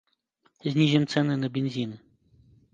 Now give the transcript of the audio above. Знізім цэны на бензін.